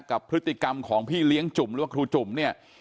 กับพฤติกรรมของพี่เลี้ยงจุ่มหรือว่าครูจุ่มเนี่ย